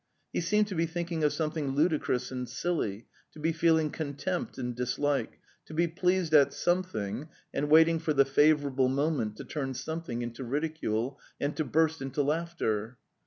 He seemed to be thinking of something ludicrous and silly, to be feeling contempt and dislike, to be pleased at something and waiting for the favourable moment to turn something into ridicule and to burst into laughter.